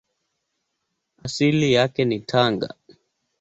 Asili yake ni Tanga.